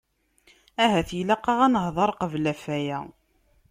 Ahat ilaq-aɣ ad nehder qbel ɣef aya.